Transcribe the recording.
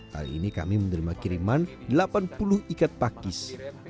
hari ini kami menerima kiriman delapan puluh ikat pakis